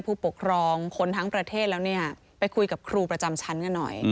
ผู้ปกครองคนทั้งประเทศแล้วเนี่ยไปคุยกับครูประจำชั้นกันหน่อย